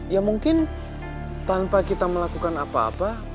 ya mungkin tanpa kita melakukan apa apa